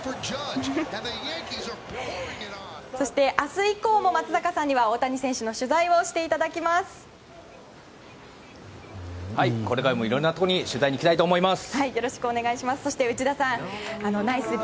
そして、明日以降も松坂さんには大谷選手の取材を速報です。